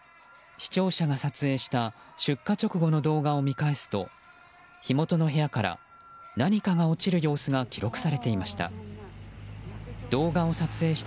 視聴者が撮影した出火直後の動画を見返すと火元の部屋から何かが落ちる様子が記録されていました。